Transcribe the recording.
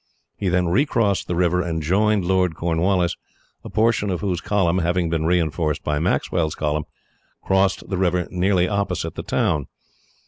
He then recrossed the river and joined Lord Cornwallis, a portion of whose column, having been reinforced by Maxwell's column, crossed the river nearly opposite the town.